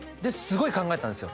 ごい考えたんですよ